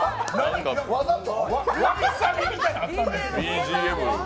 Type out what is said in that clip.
わびさびみたいなのがあったんですけど。